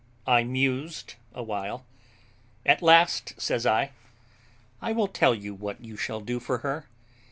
I mused a while; at last says I, "I will tell you what you shall do for her.